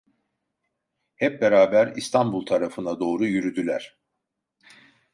Hep beraber İstanbul tarafına doğru yürüdüler.